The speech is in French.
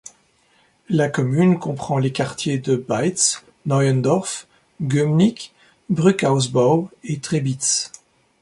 La commune comprend les quartiers de Baitz, Neuendorf, Gömnigk, Brück-Ausbau et Trebitz.